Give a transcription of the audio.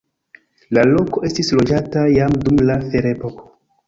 La loko estis loĝata jam dum la ferepoko.